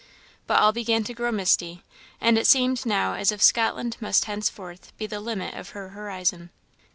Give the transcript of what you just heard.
But all began to grow misty, and it seemed now as if Scotland must henceforth be the limit of her horizon.